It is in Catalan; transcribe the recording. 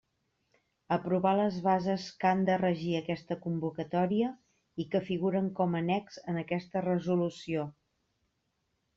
Aprovar les bases que han de regir aquesta convocatòria i que figuren com a annex en aquesta Resolució.